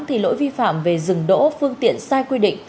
thì lỗi vi phạm về rừng đỗ phương tiện sai quyền